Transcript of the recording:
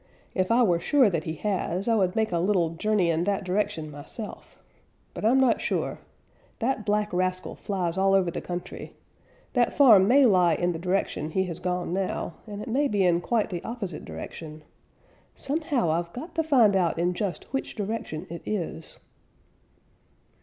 If I were sure that he has, I would make a little journey in that direction myself. But I'm not sure. That black rascal flies all over the country. That farm may lie in the direction he has gone now, and it may be in quite the opposite direction. Somehow I've got to find out in just which direction it is."